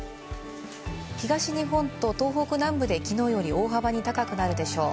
東日本と東北南部で昨日よりも大幅に高くなるでしょう。